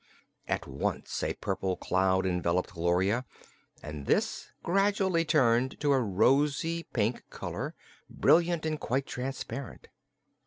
At once a purple cloud enveloped Gloria, and this gradually turned to a rosy pink color brilliant and quite transparent.